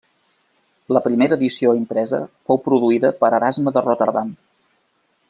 La primera edició impresa fou produïda per Erasme de Rotterdam.